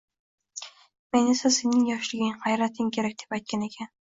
menga esa sening yoshliging, g‘ayrating kerak”, deb aytgan ekan.